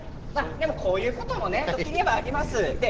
こういうこともあります。